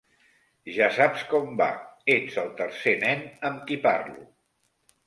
Ja saps com va, ets el tercer nen amb qui parlo.